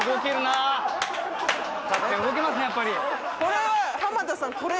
これは浜田さん。